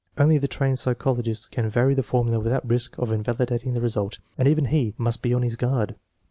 Only the trained psychologist can vary the for mula without risk of invalidating the result, and even he must be on his guard.